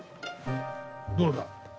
どうだ？